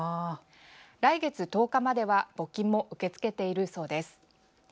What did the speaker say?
来月１０日までは募金も受け付けているそうです。